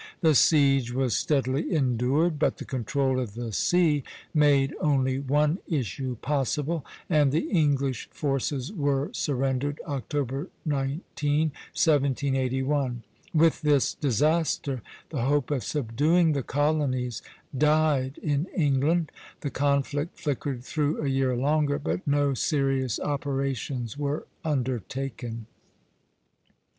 The siege was steadily endured, but the control of the sea made only one issue possible, and the English forces were surrendered October 19, 1781. With this disaster the hope of subduing the colonies died in England. The conflict flickered through a year longer, but no serious operations were undertaken.